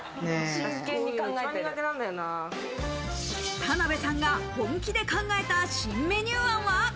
田辺さんが本気で考えた新メニュー案は？